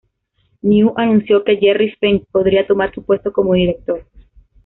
Niu anunció que Jerry Feng podría tomar su puesto como director.